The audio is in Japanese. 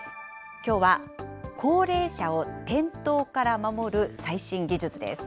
きょうは、高齢者を転倒から守る最新技術です。